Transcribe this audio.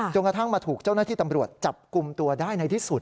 กระทั่งมาถูกเจ้าหน้าที่ตำรวจจับกลุ่มตัวได้ในที่สุด